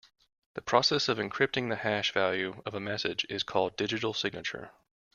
The process of encrypting the hash value of a message is called digital signature.